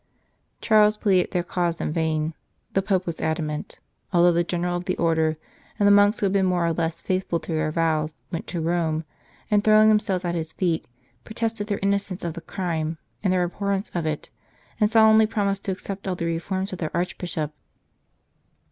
Charles pleaded their cause in vain ; the Pope was adamant, although the General of the Order, and the monks who had been more or less faithful to their vows, went to Rome, and, throwing themselves at his feet, protested their innocence of the crime and their abhorrence of it, and solemnly promised to accept all the reforms of their Archbishop.